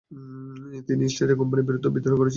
তিনি East India কোম্পানির বিরুদ্ধে বিদ্রোহ করেছিলেন।